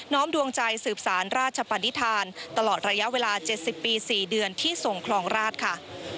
ดวงใจสืบสารราชปณิธานตลอดระยะเวลา๗๐ปี๔เดือนที่ส่งครองราชค่ะ